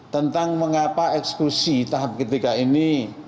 tentang mengapa eksklusi tahap ketiga ini